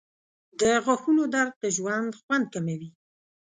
• د غاښونو درد د ژوند خوند کموي.